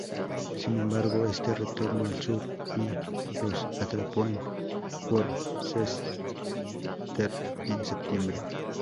Sin embargo, Este retornó al sur y los atrapó en Worcester en septiembre.